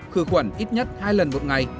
khử khuẩn ít nhất hai lần một ngày